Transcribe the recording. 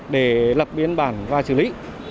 để lập biến bản và xử lý